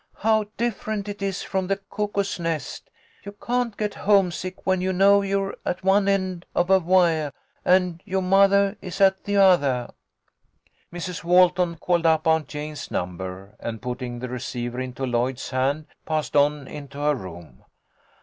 " How different it is from the Cuckoo's Nest. You can't get homesick when you know you're at one end of a wiah, and yo' mothah is at the othah." Mrs. Walton called up Aunt Jane's number, and, putting the receiver into Lloyd's hand, passed on into her room.